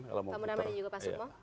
pak munama dan juga pak sukmo